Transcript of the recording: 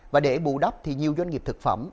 và để bù đắp thì nhiều doanh nghiệp thực phẩm